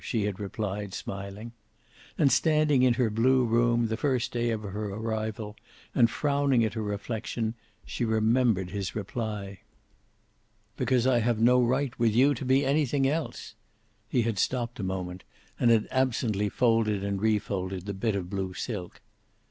she had replied, smiling. And, standing in her blue room, the first day of her arrival, and frowning at her reflection, she remembered his reply. "Because I have no right, with you, to be anything else." He had stopped for a moment, and had absently folded and refolded the bit of blue silk.